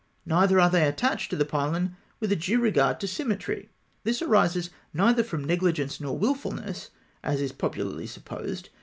Neither are they attached to the pylon with a due regard to symmetry. This arises neither from negligence nor wilfulness, as is popularly supposed.